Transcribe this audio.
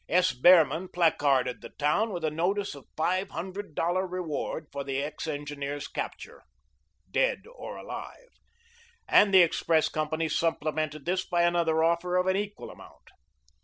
S. Behrman placarded the town with a notice of $500.00 reward for the ex engineer's capture, dead or alive, and the express company supplemented this by another offer of an equal amount.